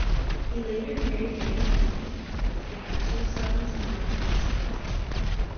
He later married Ann Cunningham; they had two sons, Mark and Stephen.